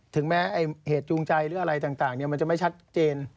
ถึงแม้เหตุจูงใจหรืออะไรต่างมันจะไม่ชัดเจน